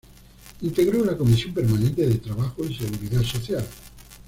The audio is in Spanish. Integró la comisión permanente de Trabajo y Seguridad Social.